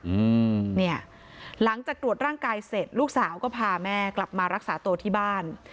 อืมเนี่ยหลังจากตรวจร่างกายเสร็จลูกสาวก็พาแม่กลับมารักษาตัวที่บ้าน